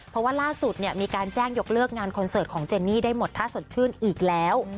เพราะว่าล่าสุดเนี่ยมีการแจ้งยกเลิกงานคอนเสิร์ตของเจนนี่ได้หมดถ้าสดชื่นอีกแล้ว